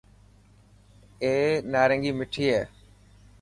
اي نارنگي مٺي هي.